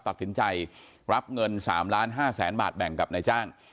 ตัดสินใจรับเงิน๓ล้าน๕แสนบาทแบ่งกับนายจ้าง